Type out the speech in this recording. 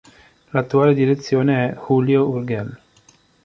L'attuale direzione è Julio Urgel.